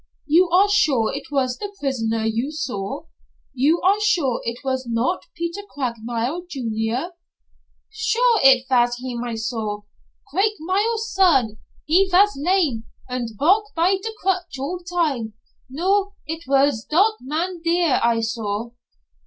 "You are sure it was the prisoner you saw? You are sure it was not Peter Craigmile, Jr.?" "Sure it vas heem I saw. Craikmile's son, he vas lame, und valk by der crutch all time. No, it vas dot man dere I saw."